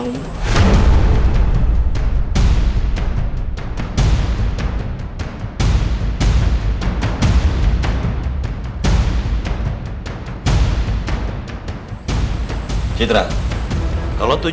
culin bang saya beruf afective